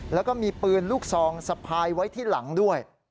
แล้วก็มีปืนลูกซองสะพายไว้ที่หลังด้วย